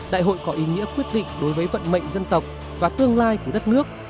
đại hội có ý nghĩa quyết định đối với vận mệnh dân tộc và tương lai của đất nước